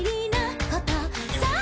「さあ」